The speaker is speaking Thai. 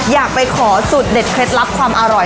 อยากไปขอสูตรเด็ดเคล็ดลับความอร่อย